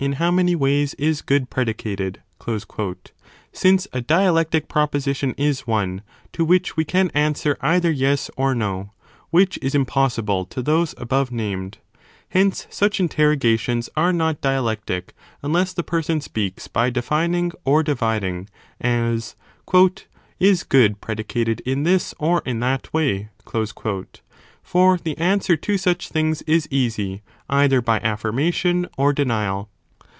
how many ways is good predicated ?" since a dia *Ci.b.Lch.l0. Jectic proposition is one, to which we can answer either yes or no, which is impossible to those above named, Hence, such interrogations are not dialectic unless the person speaks by defining or dividing, as ; "is good predicated in this or in that way ?" for the answer to such things is easy either by affirmation or denial.